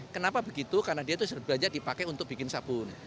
kenapa begitu karena dia itu serbanya dipakai untuk bikin sabun